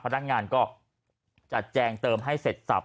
พนักงานก็จัดแจงเติมให้เสร็จสับ